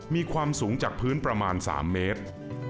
มีความสูงจากพื้นประมาณ๓เมตร